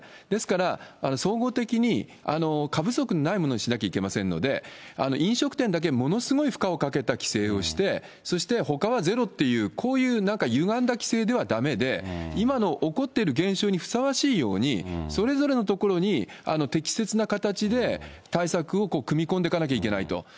ですから、総合的に過不足のないものにしなければいけないので、飲食店だけものすごい負荷をかけた規制をして、そしてほかはゼロっていう、こういうなんかゆがんだ規制ではだめで、今の起こっている現象にふさわしいように、それぞれのところに適切な形で対策を組み込んでいかなきゃいけないと。